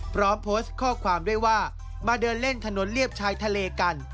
พร้อมโพสต์ข้อความด้วยว่ามาเดินเล่นถนนเรียบชายทะเลกัน